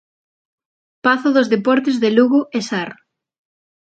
Pazo dos Deportes de Lugo e Sar.